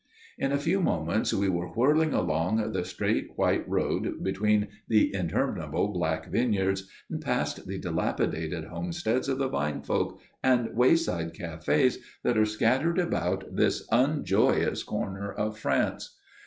In a few moments we were whirling along the straight, white road between the interminable black vineyards, and past the dilapidated homesteads of the vine folk and wayside cafés that are scattered about this unjoyous corner of France.